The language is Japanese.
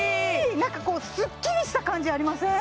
なんかこうスッキリした感じありません？